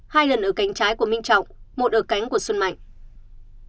hai lần ở cánh trái của minh trọng một ở cánh của xuân mạnh